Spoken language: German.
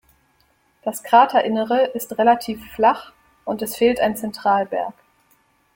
Das Kraterinnere ist relativ flach und es fehlt ein Zentralberg.